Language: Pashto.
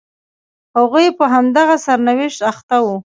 هغوی په همدغه سرنوشت اخته وو.